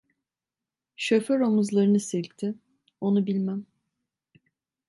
Şoför omuzlarını silkti: "Onu bilmem…"